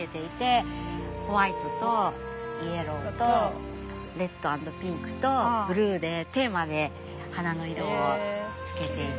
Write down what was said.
ホワイトとイエローとレッドアンドピンクとブルーでテーマで花の色をつけていて。